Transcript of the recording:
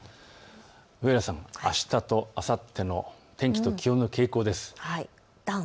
上原さん、あしたとあさっての天気と気温の傾向です。